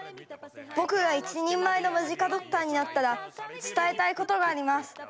僕が一人前のムジカ・ドクターになったら伝えたいことがあります。